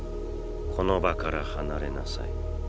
この場から離れなさい。